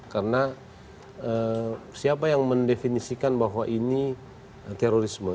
karena siapa yang mendefinisikan bahwa ini terorisme